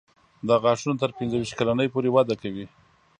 دا غاښونه تر پنځه ویشت کلنۍ پورې وده کوي.